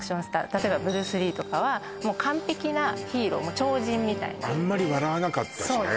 例えばブルース・リーとかはもう完璧なヒーロー超人みたいなあんまり笑わなかったしね